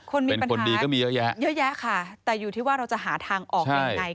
คนมีปัญหาเยอะแยะค่ะแต่อยู่ที่ว่าเราจะหาทางออกยังไง